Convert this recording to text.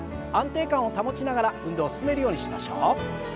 安定感を保ちながら運動を進めるようにしましょう。